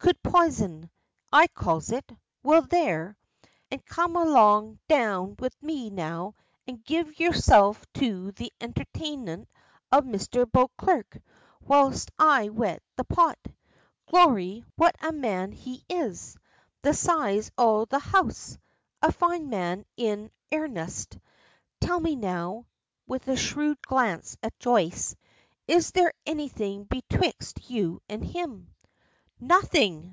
Cowld pison, I calls it. Well, there! Have it yer own way! An' come along down wid me, now, an' give yerself to the enthertainin' of Misther Beauclerk, whilst I wet the pot. Glory! what a man he is! the size o' the house! A fine man, in airnest. Tell me now," with a shrewd glance at Joyce, "is there anything betwixt you and him?" "Nothing!"